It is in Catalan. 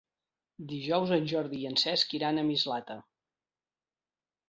Dijous en Jordi i en Cesc iran a Mislata.